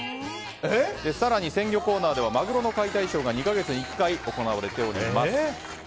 更に、鮮魚コーナーではマグロの解体ショーが２か月に一度行われます。